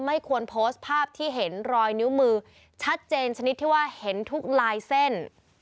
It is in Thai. ไม่ควรโพสต์ภาพที่เห็นรอยนิ้วมือชัดเจนชนิดที่ว่าเห็นทุกลายเส้น